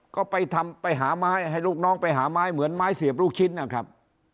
ก็ไปทำไปหาไม้ให้ลูกน้องไปหาไม้เหมือนไม้เสียบลูกชิ้นนะครับ